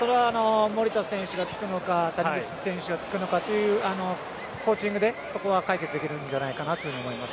守田選手がつくのか谷口選手がつくのかというコーチングで解決できるんじゃないかなと思います。